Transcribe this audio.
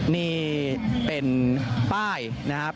นี่เป็นป้ายนะครับ